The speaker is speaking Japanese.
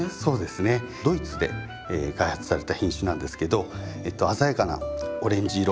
ドイツで開発された品種なんですけど鮮やかなオレンジ色と。